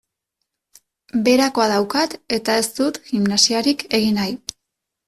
Beherakoa daukat eta ez dut gimnasiarik egin nahi.